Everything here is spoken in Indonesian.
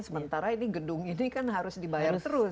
sementara ini gedung ini kan harus dibayar terus